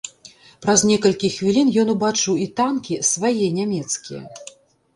Праз некалькі хвілін ён убачыў і танкі, свае, нямецкія.